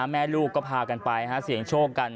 แม่ลูกก็พากันไปเสี่ยงโชคกัน